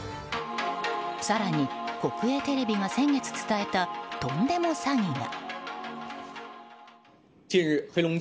更に、国営テレビが先月伝えたとんでも詐欺は。